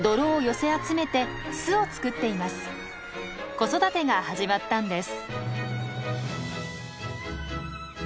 子育てが始まったんです。